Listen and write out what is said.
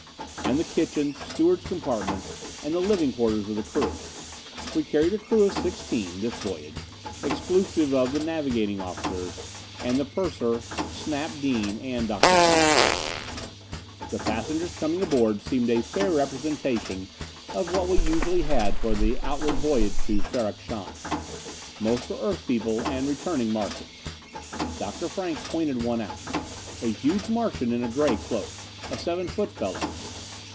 And the kitchens, stewards' compartments, and the living quarters of the crew. We carried a crew of sixteen, this voyage, exclusive of the navigating officers, and the purser, Snap Dean, and Dr. Frank. The passengers coming aboard seemed a fair representation of what we usually had for the outward voyage to Ferrok Shahn. Most were Earth people and returning Martians. Dr. Frank pointed out one. A huge Martian in a gray cloak. A seven foot fellow.